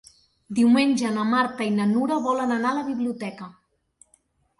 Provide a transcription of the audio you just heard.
Diumenge na Marta i na Nura volen anar a la biblioteca.